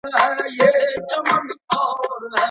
په لاس لیکلنه د نامعلومو شیانو د کشف پیل دی.